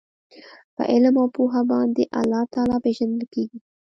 په علم او پوهه باندي الله تعالی پېژندل کیږي